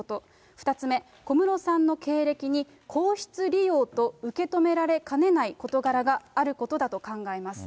２つ目、小室さんの経歴に皇室利用と受け止められかねない事柄があることだと考えます。